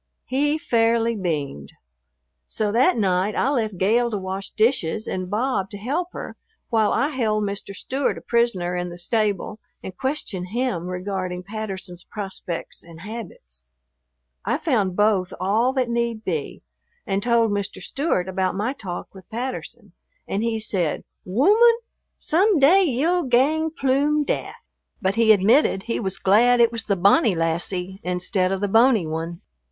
He fairly beamed. So that night I left Gale to wash dishes and Bob to help her while I held Mr. Stewart a prisoner in the stable and questioned him regarding Patterson's prospects and habits. I found both all that need be, and told Mr. Stewart about my talk with Patterson, and he said, "Wooman, some day ye'll gang ploom daft." But he admitted he was glad it was the "bonny lassie, instead of the bony one."